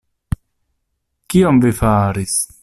Kion vi faris?